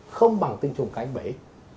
không bằng tinh trùng cánh bẫy